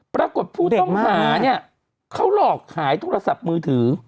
ปรากฏผู้ต้องหาเนี่ยเขาหลอกขายโทรศัพท์มือถือ